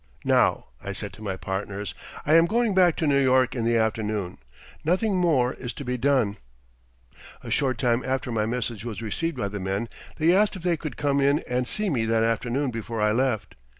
"Now," I said to my partners, "I am going back to New York in the afternoon. Nothing more is to be done." A short time after my message was received by the men they asked if they could come in and see me that afternoon before I left.